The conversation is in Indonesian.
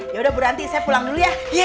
ya udah bu ranti saya pulang dulu ya